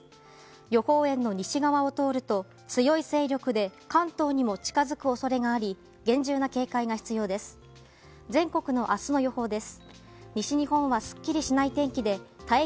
予報円の西側を通ると強い勢力で関東にも近づく恐れがあり厳重な警戒が必要です。